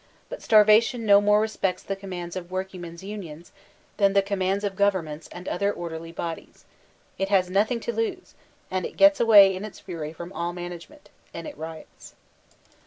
But Starvation no more respects the conunands of workingmen's unions, than the commands of governments, and other orderly bodies. It has nothing to lose : and it gets away, in its fury, from all management; and it riots.